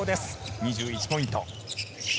２１ポイント。